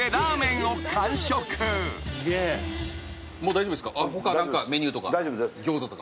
もう大丈夫ですか？